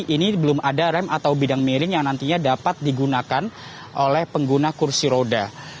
ini belum ada rem atau bidang miring yang nantinya dapat digunakan oleh pengguna kursi roda